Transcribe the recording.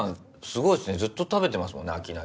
すごいっすねずっと食べてますもんね飽きないで。